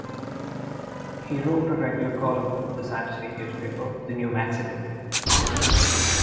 He wrote a regular column for the Santa Fe newspaper, The New Mexican.